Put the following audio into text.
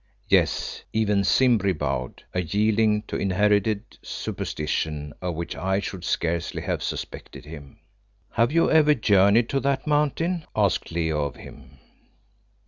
Yes, even Simbri bowed, a yielding to inherited superstition of which I should scarcely have suspected him. "Have you ever journeyed to that Mountain?" asked Leo of him.